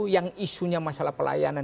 yang isunya masalah pelayanan